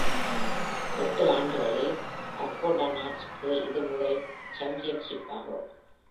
எட்டு ஆண்டுகளில் அர்கோனாட்ஸுக்கு இது முதல் சாம்பியன்ஷிப் ஆகும்.